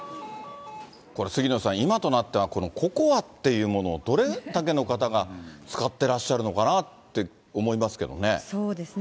これ、杉野さん、今となっては、ＣＯＣＯＡっていうもの、どれだけの方が使ってらっしゃるのかなって思いますけどね。